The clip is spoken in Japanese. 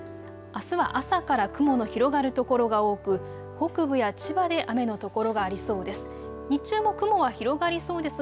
あすは朝から雲が広がる所が多く北部や千葉で雨の所がありそうです。